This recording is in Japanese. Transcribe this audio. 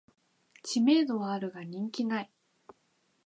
知名度はあるが人気ない